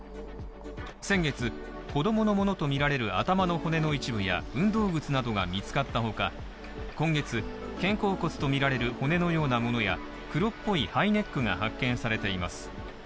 先月、子供のものとみられる頭の骨の一部や運動靴などが見つかったほか今月、肩甲骨とみられる骨のようなものや黒っぽいハイネックが発見されています。